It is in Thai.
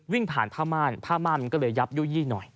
ผ่านผ้าม่านผ้าม่านมันก็เลยยับยู่ยี่หน่อย